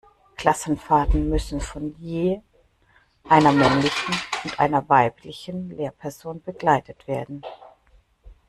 Klassenfahrten müssen von je einer männlichen und einer weiblichen Lehrperson begleitet werden.